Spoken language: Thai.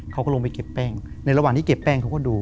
เขาก็ลงไปเก็บแป้งในระหว่างที่เก็บแป้งเขาก็ดู